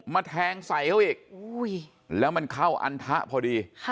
แทงใส่เขาอีกแล้วมันเข้าอันทะพอดี